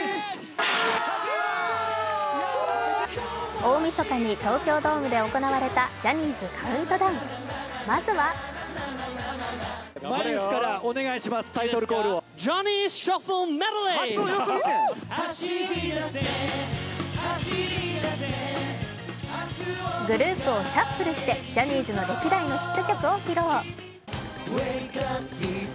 大みそかに東京ドームで行われたジャニーズカウントダウン、まずはグループをシャッフルして、ジャニーズの歴代のヒット曲を披露。